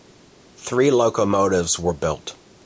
Three locomotives were built.